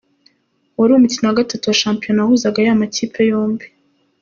Wari umukino wa Gatatu wa Shampiyona wahuzaga aya makipe yombi.